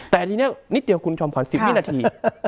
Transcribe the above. แต่ทีนี้นิดเดียวคุณชอบขอ๑๐นิดนาที